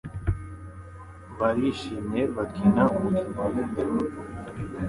Barishimye bakina umukino wa videwo.